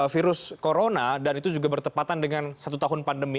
virus corona dan itu juga bertepatan dengan satu tahun pandemi